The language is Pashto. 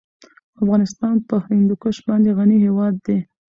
افغانستان په هندوکش باندې غني هېواد دی.